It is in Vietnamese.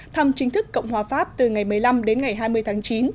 thăm chính thức cộng hòa pháp từ ngày một mươi năm đến ngày hai mươi tháng chín